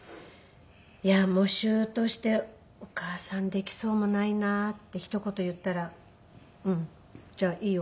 「いや喪主としてお母さんできそうもないな」ってひと言言ったら「うん。じゃあいいよ」